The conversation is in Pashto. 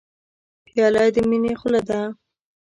پیاله د مینې خوله ده.